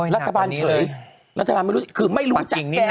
รัฐบาลเฉยรัฐบาลไม่รู้คือไม่รู้จักแก